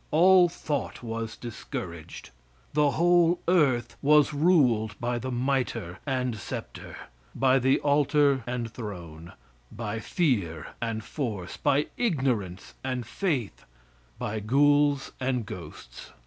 All thought was discouraged. The whole earth was ruled by the mitre and sceptre, by the altar and throne, by fear and force, by ignorance and faith, by ghouls and ghosts.